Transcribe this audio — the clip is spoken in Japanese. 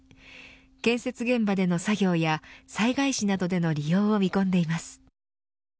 建設現場での作業や災害時などでの利用を見込んでいます。